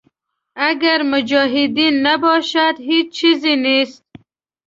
اګر مجاهدین نباشد هېچ چیز نیست.